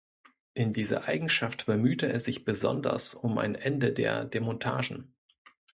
In dieser Eigenschaft bemühte er sich besonders um ein Ende der Demontagen.